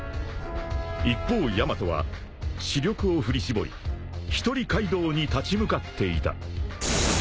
［一方ヤマトは死力を振り絞り一人カイドウに立ち向かっていた］